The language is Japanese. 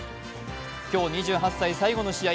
今日２８歳最後の試合